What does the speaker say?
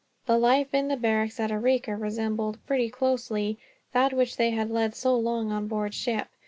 The life in the barracks at Arica resembled, pretty closely, that which they had led so long on board ship.